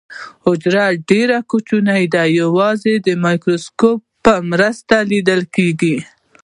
حجره ډیره کوچنۍ ده او یوازې د مایکروسکوپ په مرسته لیدل کیږي